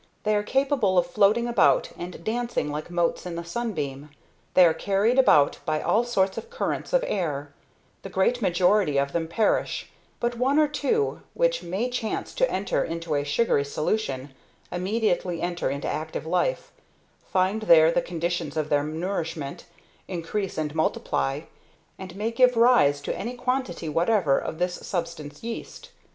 They are capable of floating about and dancing like motes in the sunbeam; they are carried about by all sorts of currents of air; the great majority of them perish; but one or two, which may chance to enter into a sugary solution, immediately enter into active life, find there the conditions of their nourishment, increase and multiply, and may give rise to any quantity whatever of this substance yeast.